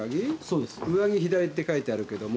「上着左」って書いてあるけども。